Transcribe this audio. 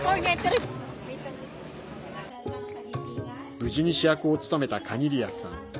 無事に主役を務めたカニリヤスさん。